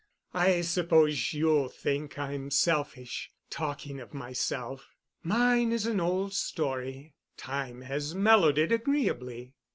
I suppose you'll think I'm selfish—talking of myself. Mine is an old story. Time has mellowed it agreeably.